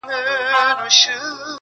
چي تلو تلو کي معنا ستا د کتو اوړي,